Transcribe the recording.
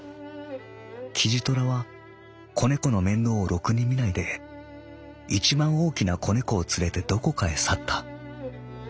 「キジトラは仔猫の面倒をろくにみないでいちばん大きな仔猫を連れてどこかへ去った。